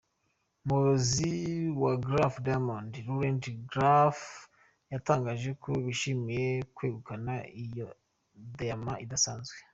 Umuyobozi wa Graff Diamonds, Laurence Graff yatangaje ko bishimiye kwegukana iyo diamant idasanzwe.